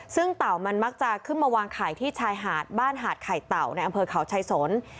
ซึ่งเต่ามันมักจะขึ้นมาวางไข่ที่ชายหาดบ้านหาดไข่เต่าในอำเภอเขาชายสน